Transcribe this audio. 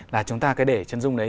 là chúng ta cứ để chân dung đấy